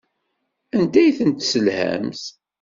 Anda ay ten-tesselhamt?